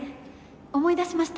思い出しました。